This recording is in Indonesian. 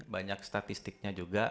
banyak statistiknya juga